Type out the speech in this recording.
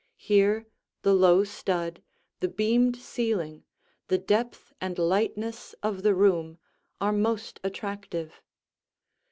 Here the low stud, the beamed ceiling, the depth and lightness of the room, are most attractive.